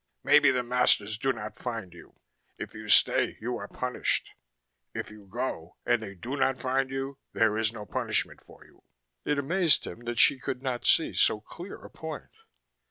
Maybe the masters do not find you. If you stay you are punished. If you go and they do not find you there is no punishment for you." It amazed him that she could not see so clear a point.